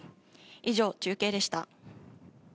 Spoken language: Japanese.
以上、中継でした。